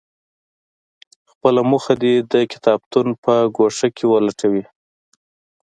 خپله موخه دې د کتابتون په ګوښه کې ولټوي.